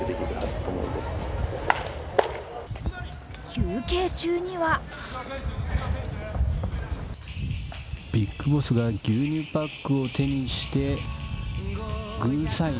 休憩中にはビッグボスが牛乳パックを手にしてグーサイン。